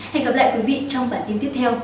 hẹn gặp lại quý vị trong bản tin tiếp theo